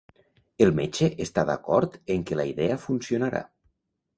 El metge està d'acord en que la idea funcionarà.